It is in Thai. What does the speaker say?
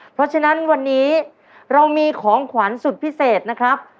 เพราะฉะนั้นวันนี้เรามีของขวัญสุดพิเศษนะครับ